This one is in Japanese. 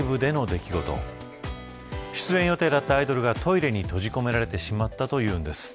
出演予定だったアイドルがトイレに閉じ込められてしまったというんです。